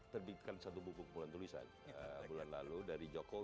terlihat sedikit baik